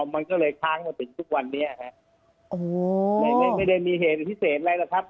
มันก็เลยค้างมาถึงทุกวันนี้ฮะโอ้โหไม่ไม่ได้มีเหตุพิเศษอะไรหรอกครับ